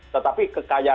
tetapi kekayaan budaya